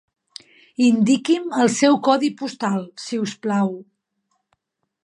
Indiqui'm el seu codi postal, si us plau.